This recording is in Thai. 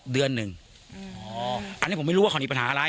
เดือนหนึ่งอ๋ออันนี้ผมไม่รู้ว่าเขามีปัญหาอะไร